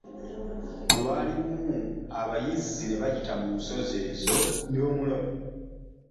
Lwali lumu abayizzi ne bayita mu nsozi ezo, ne bamulaba.